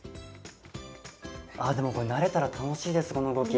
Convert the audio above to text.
ああでもこれ慣れたら楽しいですこの動き。